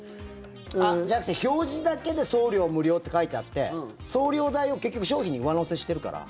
じゃなくて、表示だけで送料無料って書いてあって送料代を結局、商品に上乗せしてるから。